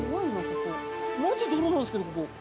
ここマジ泥なんですけどここ。